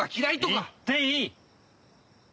言っていい！